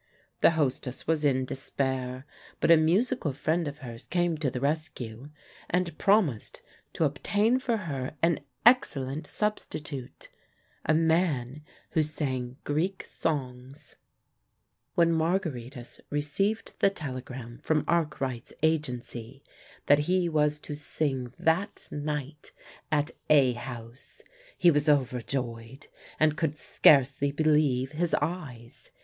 The hostess was in despair, but a musical friend of hers came to the rescue, and promised to obtain for her an excellent substitute, a man who sang Greek songs. When Margaritis received the telegram from Arkwright's Agency that he was to sing that night at A House, he was overjoyed, and could scarcely believe his eyes.